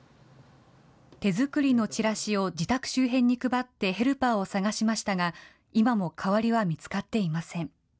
手作りのチラシを自宅周辺に配ってヘルパーを探しましたが、今も代わりは見つかっていません。